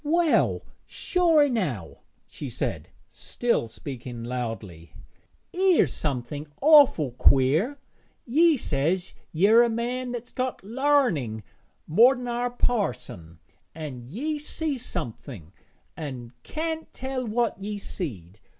'Well, sure enow,' she said, still speaking loudly, ''ere's somethin' awful queer, ye says yer a man that's got larning more ner parson, an' ye sees somethin', an' can't tell what ye's seed.